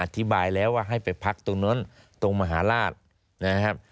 อธิบายแล้วว่าให้ไปพักตรงนั้นตรงมหาราชนะครับ